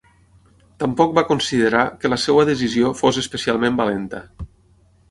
Tampoc va considerar que la seva decisió fos especialment valenta.